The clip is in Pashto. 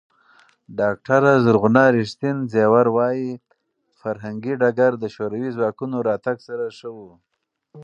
ډاکټره زرغونه ریښتین زېور وايي، فرهنګي ډګر د شوروي ځواکونو راتګ سره ښه و.